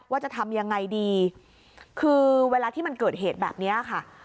ว่าจะทำยังไงดีคือเวลาที่มันเกิดเหตุแบบนี้ค่ะ